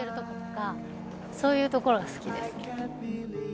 そういうところが好きです。